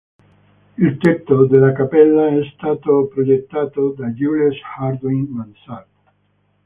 Il tetto della cappella è stato progettato da Jules Hardouin-Mansart.